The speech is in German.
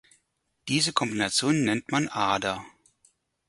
Diese Kombination nennt man Ader.